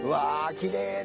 きれいだ！